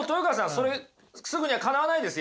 それすぐにはかなわないですよね。